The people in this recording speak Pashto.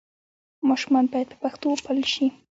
ماشومان باید په پښتو وپالل سي.